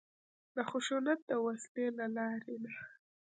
د خشونت د وسلې له لارې نه.